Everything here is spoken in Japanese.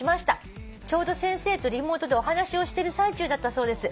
「ちょうど先生とリモートでお話をしてる最中だったそうです」